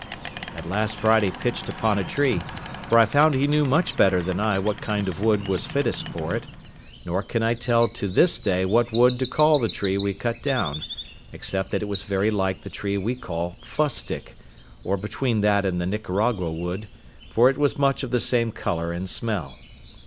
At last Friday pitched upon a tree; for I found he knew much better than I what kind of wood was fittest for it; nor can I tell to this day what wood to call the tree we cut down, except that it was very like the tree we call fustic, or between that and the Nicaragua wood, for it was much of the same colour and smell.